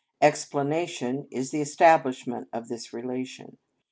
Explanation is the establishment of this relation.